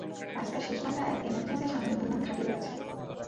রাস্তার শেষ মাথায় এক ইমার্জেন্সি সামরিক বিমান ঘাঁটি রয়েছে।